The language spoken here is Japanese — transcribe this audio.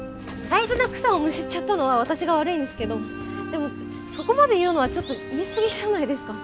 大事な草をむしっちゃったのは私が悪いんですけどでもそこまで言うのはちょっと言い過ぎじゃないですか。